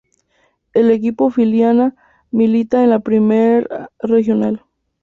El equipo filial milita en la Primera Regional.